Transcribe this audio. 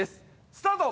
スタート！